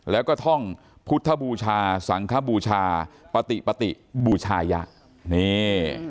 แล้วก็ท่องพุทธบูชาสังคบูชาปฏิปติบูชายะนี่